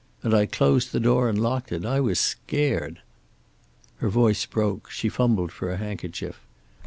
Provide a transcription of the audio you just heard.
And I closed the door and locked it. I was scared." Her voice broke; she fumbled for a handkerchief.